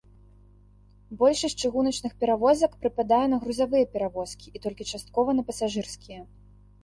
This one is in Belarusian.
Большасць чыгуначных перавозак прыпадае на грузавыя перавозкі, і толькі часткова на пасажырскія.